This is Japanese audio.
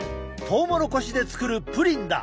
トウモロコシで作るプリンだ。